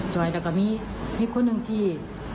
ซอยแล้วก็มีคนหนึ่งที่